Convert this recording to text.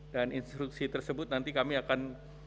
dan instruksi tersebut nanti kami akan